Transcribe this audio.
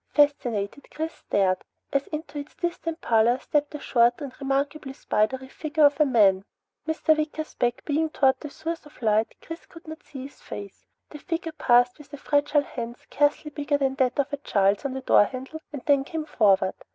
Fascinated, Chris stared, as into this distant pallor stepped the short and remarkably spidery figure of a man. Mr. Wicker's back being toward the source of light, Chris could not see his face. The figure paused, with a fragile hand scarcely bigger than that of a child's on the doorhandle, and then came forward.